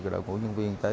đội ngũ nhân viên tế